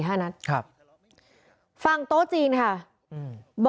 ตำรวจอีกหลายคนก็หนีออกจุดเกิดเหตุทันที